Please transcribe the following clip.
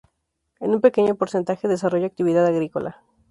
En un pequeño porcentaje desarrolla actividad agrícola.